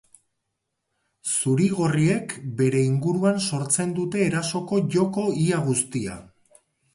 Zuri-gorriek bere inguruan sortzen dute erasoko joko ia guztia.